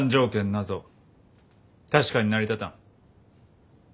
なぞ確かに成り立たん。